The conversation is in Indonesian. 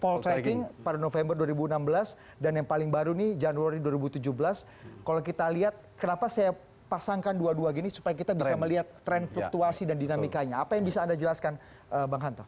poltreking pada november dua ribu enam belas dan yang paling baru nih januari dua ribu tujuh belas kalau kita lihat kenapa saya pasangkan dua dua gini supaya kita bisa melihat tren fluktuasi dan dinamikanya apa yang bisa anda jelaskan bang hanta